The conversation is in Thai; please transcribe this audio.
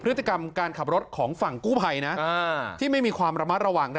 พฤติกรรมการขับรถของฝั่งกู้ภัยนะที่ไม่มีความระมัดระวัง